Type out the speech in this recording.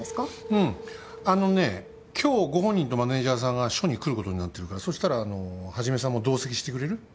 うんあのね今日ご本人とマネジャーさんが署に来ることになってるからそしたらあの一さんも同席してくれる？